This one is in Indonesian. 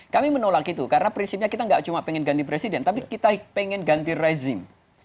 kami menolak itu karena prinsipnya kita nggak cuma pengen ganti presiden tapi kita pengen ganti rezim